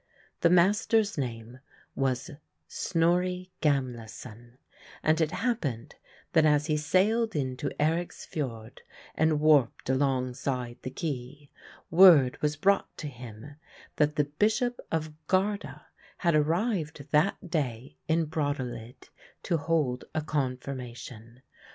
The master's name was Snorri Gamlason, and it happened that as he sailed into Eric's Fiord and warped alongside the quay, word was brought to him that the Bishop of Garda had arrived that day in Brattahlid, to hold a confirmation.